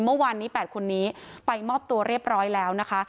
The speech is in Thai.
เมื่อวานนี้๘คนนี้ไปมอบตัวเรียบร้อยแล้วนะคะ